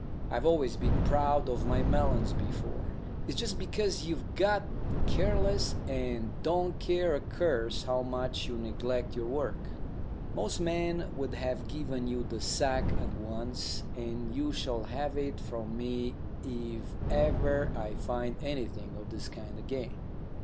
I've always been proud of my melons before. It's just because you've got careless and don't care a curse how much you neglect your work. Most men would have given you the sack at once, and you shall have it from me if ever I find anything of this kind again."